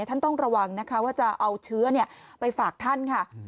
ต้องระวังนะคะว่าจะเอาเชื้อไปฝากท่านค่ะ